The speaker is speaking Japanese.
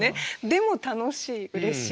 でも楽しいうれしい。